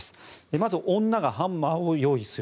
まず女がハンマーを用意する。